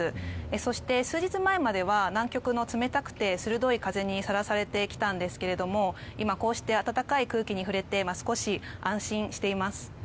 そして、数日前までは南極の冷たくて鋭い風にさらされてきたんですが今こうして暖かい空気に触れて少し安心しています。